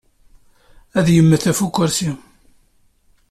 Ad yemmet ɣef ukursi.